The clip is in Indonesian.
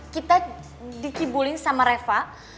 kita dikibulin sama reva